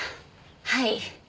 はい。